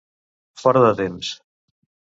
Fora de temps.